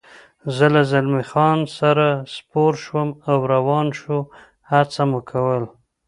زه له زلمی خان سره سپور شوم او روان شو، هڅه مو کول.